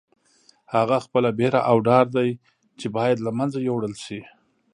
هغه خپله بېره او ډار دی چې باید له منځه یوړل شي.